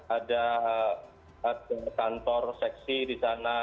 ada kantor seksi di sana